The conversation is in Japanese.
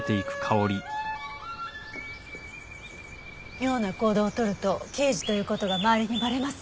妙な行動をとると刑事という事が周りにバレます。